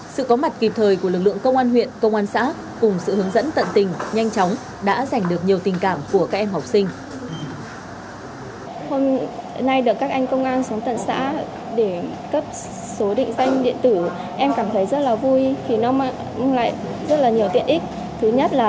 sự có mặt kịp thời của lực lượng công an huyện công an xã cùng sự hướng dẫn tận tình nhanh chóng đã giành được nhiều tình cảm của các em học sinh